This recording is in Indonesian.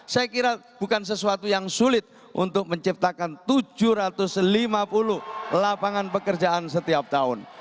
saya kira bukan sesuatu yang sulit untuk menciptakan tujuh ratus lima puluh lapangan pekerjaan setiap tahun